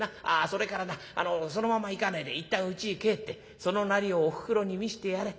それからなそのまま行かねえでいったんうちへ帰ってそのなりをおふくろに見してやれ。